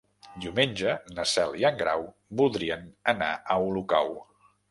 Diumenge na Cel i en Grau voldrien anar a Olocau.